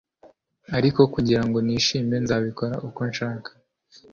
ariko kugirango nishime, nzabikora uko nshaka